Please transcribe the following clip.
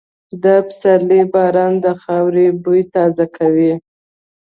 د پسرلي باران د خاورې بوی تازه کوي.